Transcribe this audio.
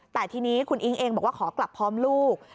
แต่ทีนี้คุณอิ๊งเองบอกว่าขอกลับพร้อมลูก